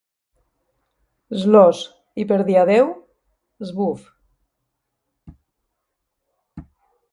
«sloz», i per dir «adéu», «zwvf».